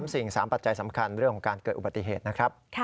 ๓สิ่ง๓ปัจจัยสำคัญเรื่องของการเกิดอุบัติเหตุนะครับ